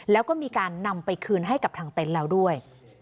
แล้วก็มีการนำไปคืนให้กับทางเต็นต์แล้วด้วย